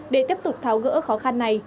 để tiếp tục tháo gỡ khó khăn này